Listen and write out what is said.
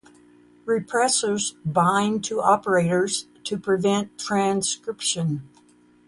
Repressors bind to operators to prevent transcription.